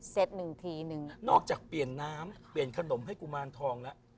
หนึ่งทีนึงนอกจากเปลี่ยนน้ำเปลี่ยนขนมให้กุมารทองแล้ว